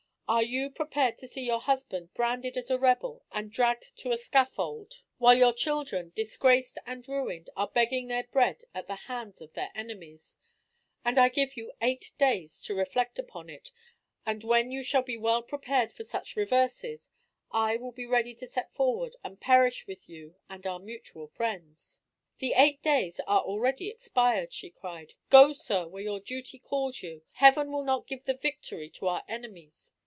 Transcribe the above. Are you prepared to see your husband branded as a rebel and dragged to a scaffold; while your children, disgraced and ruined, are begging their bread at the hands of their enemies? I give you eight days to reflect upon it, and when you shall be well prepared for such reverses, I will be ready to set forward, and perish with you and our mutual friends." "The eight days are already expired!" she cried. "Go, sir, where your duty calls you. Heaven will not give the victory to our enemies.